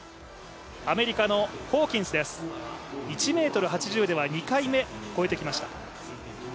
アメリカのホーキンスです、１ｍ８０では２回目、越えてきました。